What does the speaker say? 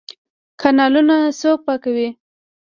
کانالونه څوک پاکوي؟